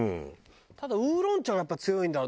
ただウーロン茶がやっぱ強い。